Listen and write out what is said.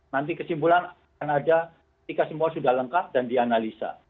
nanti kesimpulan akan ada ketika semua sudah lengkap dan dianalisa